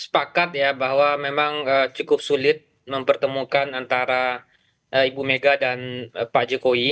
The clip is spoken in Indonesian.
sepakat ya bahwa memang cukup sulit mempertemukan antara ibu mega dan pak jokowi